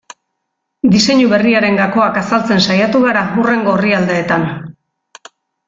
Diseinu berriaren gakoak azaltzen saiatu gara hurrengo orrialdeetan.